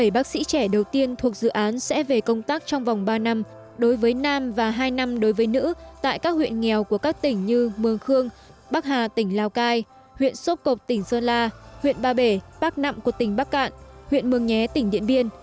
một mươi bác sĩ trẻ đầu tiên thuộc dự án sẽ về công tác trong vòng ba năm đối với nam và hai năm đối với nữ tại các huyện nghèo của các tỉnh như mường khương bắc hà tỉnh lào cai huyện sốp cộp tỉnh sơn la huyện ba bể bắc nẵm của tỉnh bắc cạn huyện mường nhé tỉnh điện biên